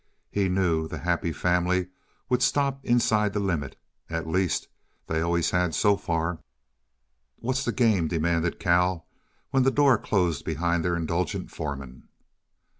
He knew the Happy Family would stop inside the limit at least, they always had, so far. "What's the game?" demanded Cal, when the door closed behind their indulgent foreman.